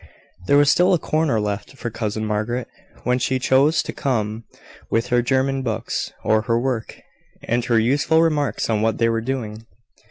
There was still a corner left for cousin Margaret, when she chose to come with her German books, or her work, and her useful remarks on what they were doing.